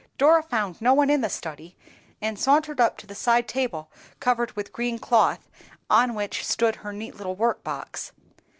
Dora found no one in the study, and sauntered up to the side table, covered with green cloth, on which stood her neat little workbox.